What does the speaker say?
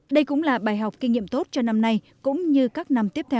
đây cũng là bài học kinh nghiệm tốt cho năm nay cũng như các năm tiếp theo